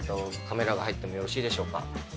カメラが入ってもよろしいでしょうか？